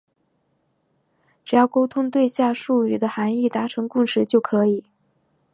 只要沟通对象对术语的含义达成共识就可以。